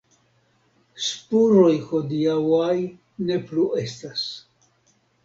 Spuroj hodiaŭaj ne plu estas.